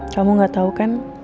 kamu tidak tahu kan